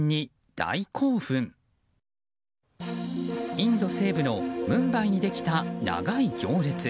インド西部のムンバイにできた長い行列。